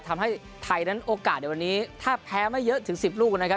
ทำให้ไทยนั้นโอกาสในวันนี้ถ้าแพ้ไม่เยอะถึง๑๐ลูกนะครับ